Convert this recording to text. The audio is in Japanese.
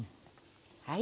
はい。